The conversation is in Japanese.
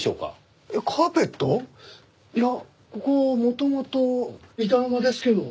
いやここは元々板の間ですけど。